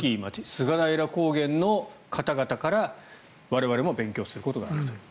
菅平高原の方々から我々も勉強することがあるという。